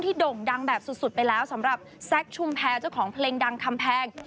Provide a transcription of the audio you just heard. โด่งดังแบบสุดไปแล้วสำหรับแซคชุมแพรเจ้าของเพลงดังคำแพง